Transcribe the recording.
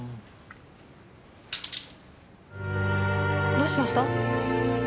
どうしました？